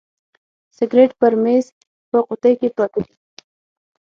سګرېټ پر میز په قوطۍ کي پراته دي.